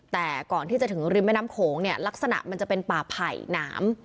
แต่ก่อนที่จะถึงริมแม่น้ำโขงเนี่ยลักษณะมันจะเป็นป่าไผ่หนาม